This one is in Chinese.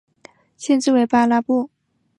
县治为巴拉布。